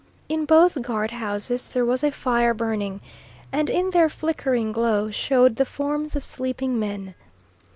In both guard houses there was a fire burning, and in their flickering glow showed the forms of sleeping men.